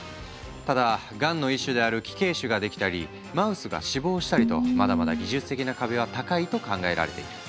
ただがんの一種である奇形腫が出来たりマウスが死亡したりとまだまだ技術的な壁は高いと考えられている。